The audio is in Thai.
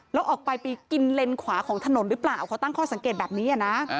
แล้วออกไปไปกินเลนขวาของถนนหรือเปล่าเขาตั้งข้อสังเกตแบบนี้นะ